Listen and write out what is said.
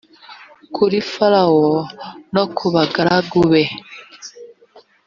kuri farawo no ku bagaragu be